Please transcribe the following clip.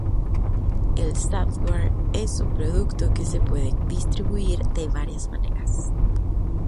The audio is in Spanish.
El software es un producto que se puede distribuir de varias maneras.